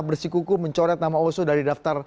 jangan tentu apa ya